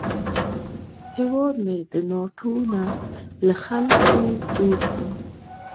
هیواد مې د ناټو نه، له خلکو جوړ دی